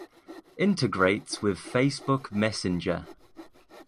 Integrates with Facebook Messenger